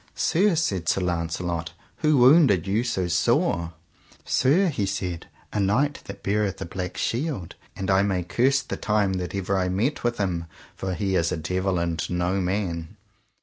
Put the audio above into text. Sir, said Sir Launcelot, who wounded you so sore? Sir, he said, a knight that beareth a black shield, and I may curse the time that ever I met with him, for he is a devil and no man.